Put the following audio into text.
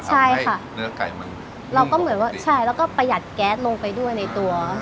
ใช่ค่ะเนื้อไก่มันเราก็เหมือนว่าใช่แล้วก็ประหยัดแก๊สลงไปด้วยในตัว